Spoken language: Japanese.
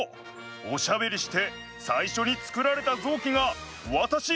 おしゃべりしてさいしょにつくられたぞうきがわたし！